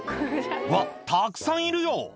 うわ、たくさんいるよ。